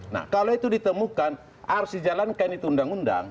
nah kalau itu ditemukan harus dijalankan itu undang undang